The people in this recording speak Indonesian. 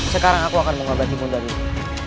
sekarang aku akan mengobati bunda dulu